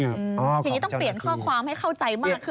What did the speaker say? อย่างนี้ต้องเปลี่ยนข้อความให้เข้าใจมากขึ้น